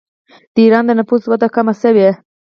د ایران د نفوس وده کمه شوې.